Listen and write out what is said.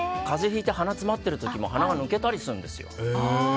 ひいて鼻が詰まってる時も鼻が抜けたりするんですよ。